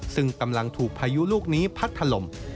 ซึ่งกำลังถูกพายุลูกนี้พัดถล่ม